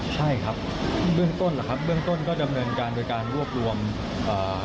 ใช่ครับเบื้องต้นแหละครับเบื้องต้นก็ดำเนินการโดยการรวบรวมอ่า